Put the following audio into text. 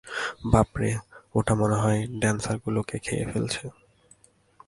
বাপরে, ওটা মনে হয় ড্যান্সারগুলোকে খেয়ে ফেলছে।